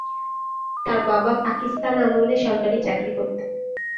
তার বাবা পাকিস্তান আমলে সরকারি চাকরি করতেন।